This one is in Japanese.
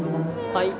はい。